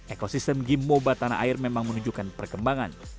ekosistem game moba tanah air memang menunjukkan perkembangan